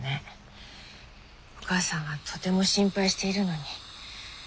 お母さんはとても心配しているのに。